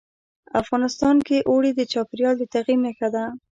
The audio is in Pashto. افغانستان کې اوړي د چاپېریال د تغیر نښه ده.